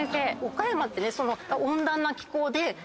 岡山って。